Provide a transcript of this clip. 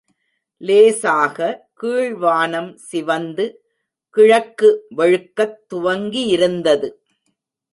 லேசாக கீழ்வானம் சிவந்து கிழக்கு வெழுக்கத் துவங்கியிருந்தது.